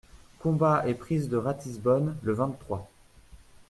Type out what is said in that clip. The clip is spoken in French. Combat et prise de Ratisbonne, le vingt-trois.